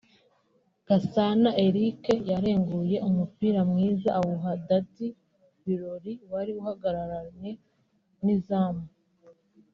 Gasana Eric yarenguye umupira mwiza awuha Daddy Birori wari uhagararanye n’izamu